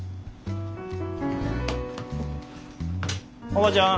おばちゃん。